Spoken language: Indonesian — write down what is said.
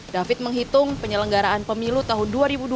david menghitung penyelenggaraan pemilu tahun dua ribu dua puluh